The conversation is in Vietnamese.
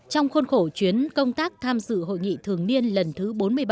trong khuôn khổ chuyến công tác tham dự hội nghị thường niên lần thứ bốn mươi bảy